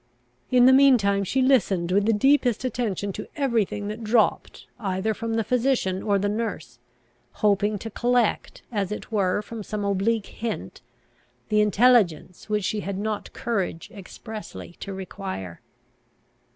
In the mean time she listened with the deepest attention to every thing that dropped either from the physician or the nurse, hoping to collect as it were from some oblique hint, the intelligence which she had not courage expressly to require.